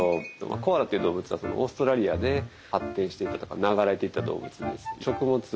コアラっていう動物はオーストラリアで発展していったというか流れていった動物です。